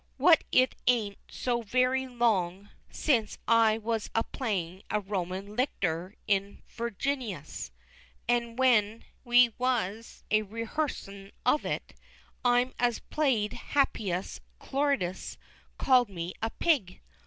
Why, it ain't so very long since as I was a playing a Roman Licktor in "Virginius," and when we was a rehearsin' of it, 'im as played Happyus Clordyus called me a "pig."